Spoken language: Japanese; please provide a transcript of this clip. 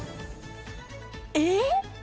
えっ！？